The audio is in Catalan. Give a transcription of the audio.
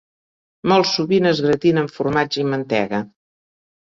Molt sovint es gratina amb formatge i mantega.